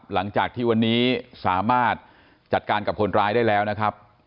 หลังจากที่วันนี้สามารถจัดการกับคนร้ายได้แล้วนะครับ